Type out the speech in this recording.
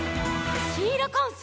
「シーラカンス」